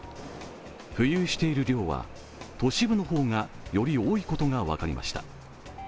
浮遊している量は都市部の方がより多いことが分かりました。